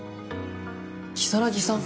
如月さん？